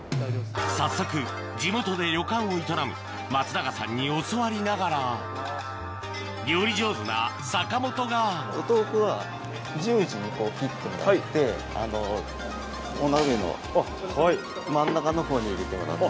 早速地元で旅館を営む松永さんに教わりながら料理上手な坂本がお豆腐は十字にこう切ってもらってお鍋の真ん中のほうに入れてもらって。